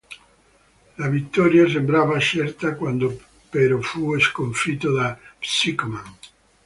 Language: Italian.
La vittoria sembrava certa quando però fu sconfitto da Psycho-Man.